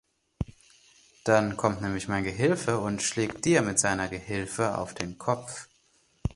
Dann kommt nämlich mein Gehilfe und schlägt dir mit seiner Gehhilfe auf den Kopf.